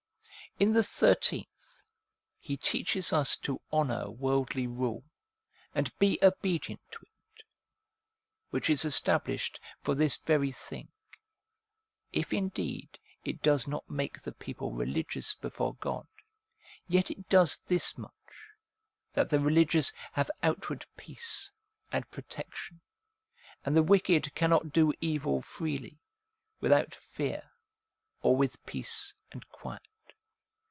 In the thirteenth, he teaches us to honour worldly rule, and be obedient to it, which is established for this very thing : if indeed it does not make the people religious before God, yet it does this much, that the religious have outward peace and protection, and the wicked cannot do evil freely, without fear, or with peace and quiet.